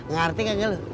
ngerti kakak lu